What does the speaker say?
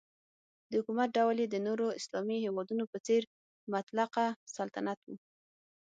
د حکومت ډول یې د نورو اسلامي هیوادونو په څېر مطلقه سلطنت و.